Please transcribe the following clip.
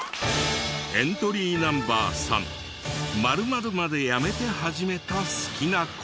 エントリーＮｏ．３○○までやめて始めた好きな事。